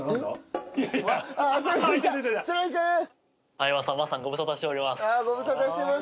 相葉さん桝さんご無沙汰しております。